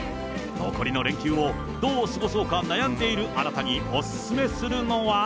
残りの連休をどう過ごそうか悩んでいるあなたにお勧めするのは。